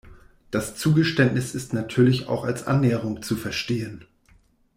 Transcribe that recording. Das Zugeständnis ist natürlich auch als Annäherung zu verstehen.